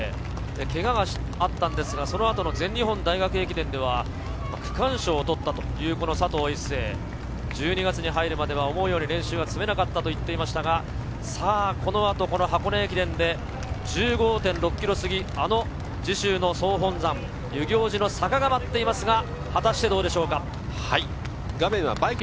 けがはあったんですが、その後の全日本大学駅伝では区間賞を取ったという佐藤一世、１２月に入るまでは思うように練習が積めなかったと言ってましたがこの後、箱根駅伝で１５．６ｋｍ過ぎ、あの時宗の総本山・遊行寺の坂が待っています